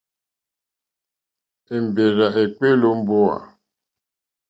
Èmbèrzà èkpéélì ó mbówà.